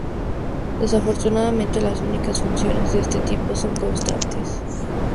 Desafortunadamente, las únicas funciones de este tipo son constantes.